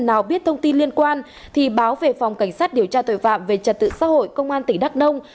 nào biết thông tin liên quan thì báo về phòng cảnh sát điều tra tội phạm về trật tự xã hội công an tỉnh đắk nông